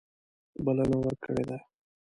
بلنه ورکړې ده.